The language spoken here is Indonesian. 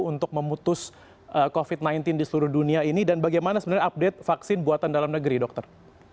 untuk memutus covid sembilan belas di seluruh dunia ini dan bagaimana sebenarnya update vaksin buatan dalam negeri dokter